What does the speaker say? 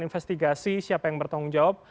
investigasi siapa yang bertanggung jawab